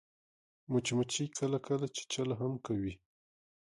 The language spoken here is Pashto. مچمچۍ کله کله چیچل هم کوي